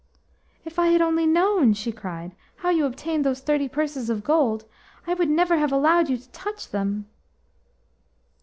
"If I had only known," she cried, "how you obtained those thirty purses of gold, I would never have allowed you to touch them."